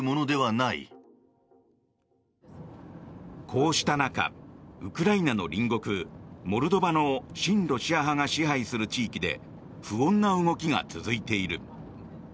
こうした中ウクライナの隣国モルドバの親ロシア派が支配する地域で不穏な動きが続いている。